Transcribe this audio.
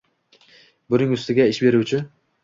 Buning ustiga, ish beruvchi-